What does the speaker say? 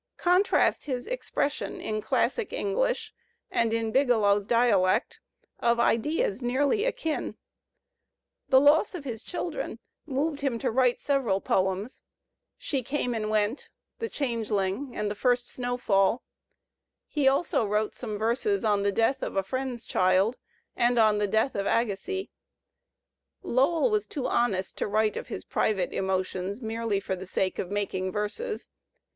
Contrast his expression in classic English and in Biglow's dialect of ideas nearly akin. The loss of his children moved Digitized by Google 196 THE SPIRIT OF AMERICAN LITERATIIRE him to write several poems, "She Came and Went,'* "The Changelmg," and " The First Snowfall," He also wrote some verses on the death of a friend's child, and on the death of Agassiz. Lowell was too honest to write of his private emotions merely for the sake of making verses.